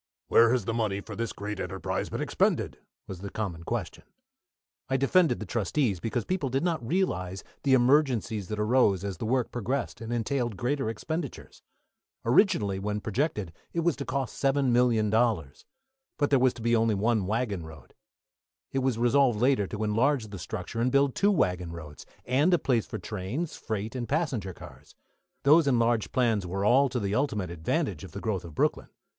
"Where has the money for this great enterprise been expended?" was the common question. I defended the trustees, because people did not realise the emergencies that arose as the work progressed and entailed greater expenditures. Originally, when projected, it was to cost $7,000,000, but there was to be only one waggon road. It was resolved later to enlarge the structure and build two waggon roads, and a place for trains, freight, and passenger cars. Those enlarged plans were all to the ultimate advantage of the growth of Brooklyn.